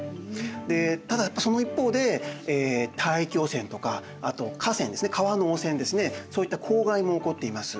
でただやっぱりその一方で大気汚染とかあと河川ですね川の汚染ですねそういった公害も起こっています。